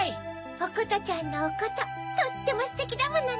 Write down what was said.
おことちゃんのおこととってもステキだものね。